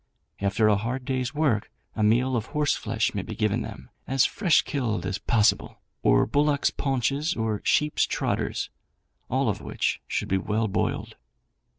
After a hard day's work a meal of horse flesh may be given them, as fresh killed as possible, or bullocks' paunches or sheeps' trotters, all of which should be well boiled.